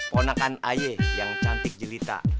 ponakan aye yang cantik jelita